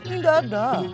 ini gak ada